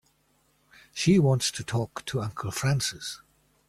She wants to talk to Uncle Francis.